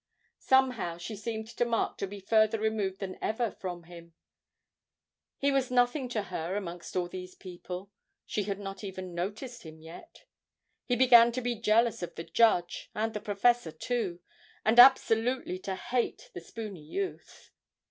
Somehow she seemed to Mark to be further removed than ever from him; he was nothing to her amongst all these people; she had not even noticed him yet. He began to be jealous of the judge, and the professor too, and absolutely to hate the spoony youth.